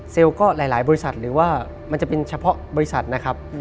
ก็หลายบริษัทหรือว่ามันจะเป็นเฉพาะบริษัทนะครับ